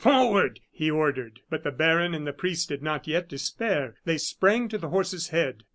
"Forward!" he ordered. But the baron and the priest did not yet despair; they sprang to the horse's head.